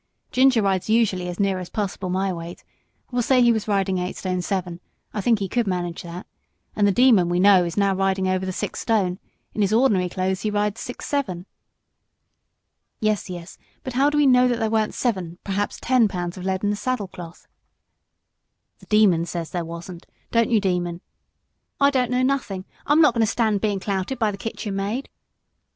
Ginger rides usually as near as possible my weight we'll say he was riding nine two I think he could manage that and the Demon, we know, he is now riding over the six stone; in his ordinary clothes he rides six seven." "Yes, yes, but how do we know that there was any lead to speak of in the Demon's saddle cloth?" "The Demon says there wasn't above a stone. Don't you, Demon?" "I don't know nothing! I'm not going to stand being clouted by the kitchen maid."